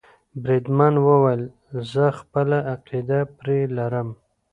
بریدمن وویل زه خپله عقیده پرې لرم.